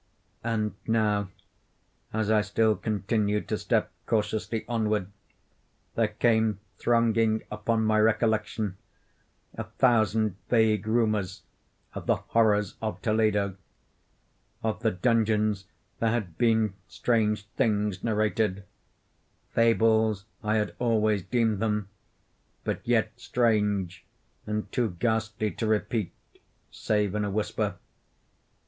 And now, as I still continued to step cautiously onward, there came thronging upon my recollection a thousand vague rumors of the horrors of Toledo. Of the dungeons there had been strange things narrated—fables I had always deemed them—but yet strange, and too ghastly to repeat, save in a whisper.